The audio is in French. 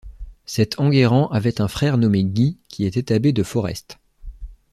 Cet Enguerrand avait un frère nommé Guy qui était abbé de Forest.